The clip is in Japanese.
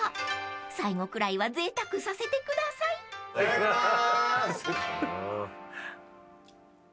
［最後くらいはぜいたくさせてください］いただきます。